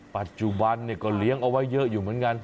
ปัจจุบันก็เลี้ยงเอาไว้เยอะอยู่เหมือนกัน